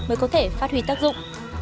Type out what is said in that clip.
mới có thể phát huy tác dụng